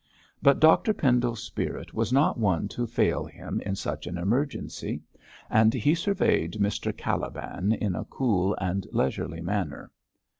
But Dr Pendle's spirit was not one to fail him in such an emergency, and he surveyed Mr Caliban in a cool and leisurely manner.